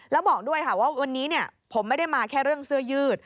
แล้วบอกด้วยค่ะว่าวันนี้ผมไม่ได้มาแค่เรื่องเสื้อยืด